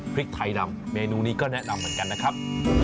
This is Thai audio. พริกไทยดำเมนูนี้ก็แนะนำเหมือนกันนะครับ